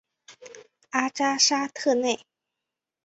阿扎沙特内。